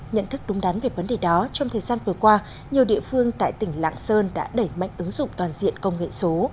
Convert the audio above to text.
nhận thức đúng đắn về vấn đề đó trong thời gian vừa qua nhiều địa phương tại tỉnh lạng sơn đã đẩy mạnh ứng dụng toàn diện công nghệ số